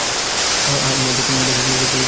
হ্যাঁ, বেশ গুরুত্বপূর্ণ কাজ করছিলে!